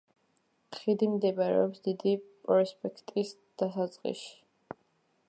ხიდი მდებარეობს დიდი პროსპექტის დასაწყისში.